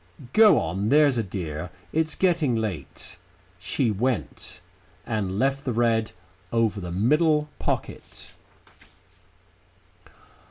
Go on, there's a dear. It's getting late." She went, and left the red over the middle pocket.